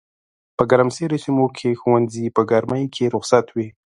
په ګرمسېرو سيمو کښي ښوونځي په ګرمۍ کي رخصت وي